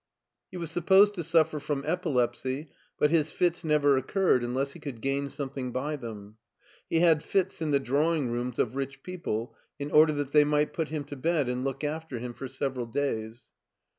He was supposed to suffer from epilepsy, but his fits never occurred unless he could gain something by them. He had fits in the drawing rooms of rich people in order that they might put him to bed and look after him for several days.